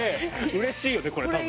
うれしいよねこれ多分。